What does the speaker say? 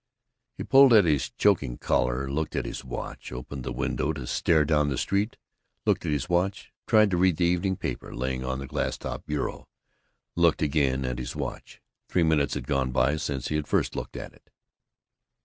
He pulled at his choking collar, looked at his watch, opened the window to stare down at the street, looked at his watch, tried to read the evening paper lying on the glass topped bureau, looked again at his watch. Three minutes had gone by since he had first looked at it.